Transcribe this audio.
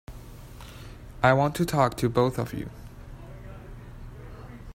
I want to talk to both of you.